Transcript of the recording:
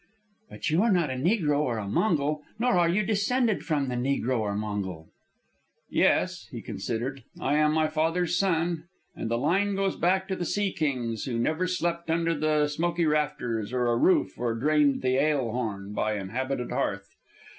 "But you are not a negro or a Mongol, nor are you descended from the negro or Mongol." "Yes," he considered, "I am my father's son, and the line goes back to the sea kings who never slept under the smoky rafters of a roof or drained the ale horn by inhabited hearth.